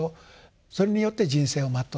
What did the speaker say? それによって人生を全うする。